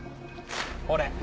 これ。